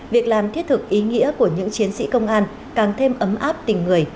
việc làm thiết thực ý nghĩa của những chiến sĩ công an càng thêm ấm áp tình người